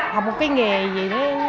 học một nghề gì